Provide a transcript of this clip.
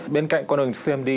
bên cạnh con đường xem đi